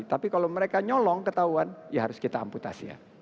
tapi kalau mereka nyolong ketahuan ya harus kita amputasi ya